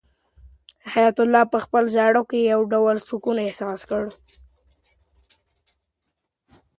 حیات الله په خپل زړه کې یو ډول سکون احساس کړ.